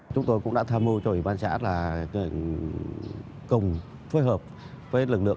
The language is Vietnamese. chúng tôi cũng đã tham mưu cho ủy ban xã là cùng phối hợp với lực lượng